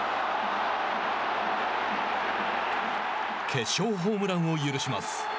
決勝ホームランを許します。